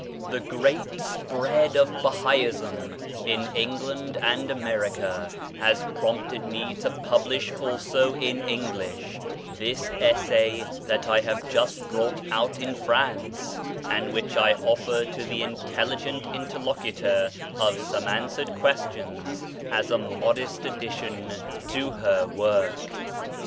The great spread of Bahaism in England and America has prompted me to publish also in English this essay that I have just brought out in France, and which I offer to the intelligent inter locutor of Some Answered Questions as a modest addition to her work.